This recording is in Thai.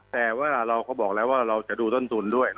แต่ว่าเราก็บอกแล้วว่าเราจะดูต้นทุนด้วย